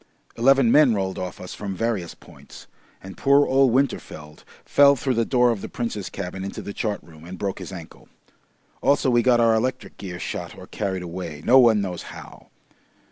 Eleven men rolled off us from various points, and poor old Winterfeld fell through the door of the Prince's cabin into the chart room and broke his ankle. Also we got our electric gear shot or carried away no one knows how.